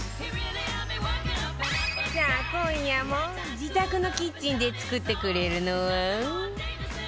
さあ今夜も自宅のキッチンで作ってくれるのは